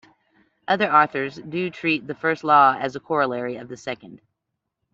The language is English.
Other authors do treat the first law as a corollary of the second.